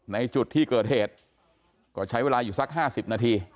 ในจุดที่เกิดเหตุก็ใช้เวลาอยู่สัก๕๐นาที